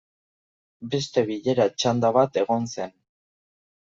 Beste bilera txanda bat egon zen.